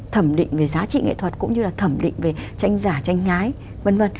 thẩm định về giá trị nghệ thuật cũng như là thẩm định về tranh giả tranh nhái v v